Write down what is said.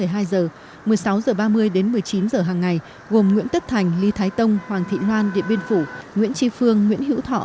một mươi sáu h ba mươi đến một mươi chín h hàng ngày gồm nguyễn tất thành lý thái tông hoàng thị loan điện biên phủ nguyễn tri phương nguyễn hữu thọ